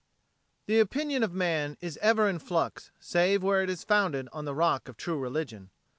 The opinion of man is ever in flux save where it is founded on the rock of true religion.